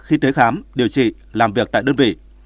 khi tới khám điều trị làm việc tại đơn vị